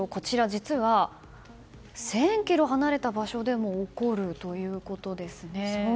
実は１０００ｋｍ離れた場所でも起きるということです。